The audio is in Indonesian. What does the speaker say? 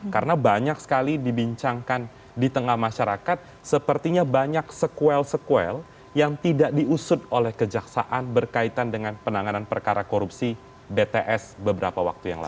karena banyak sekali dibincangkan di tengah masyarakat sepertinya banyak sekuel sekuel yang tidak diusut oleh kejaksaan berkaitan dengan penanganan perkara korupsi bts beberapa waktu yang lalu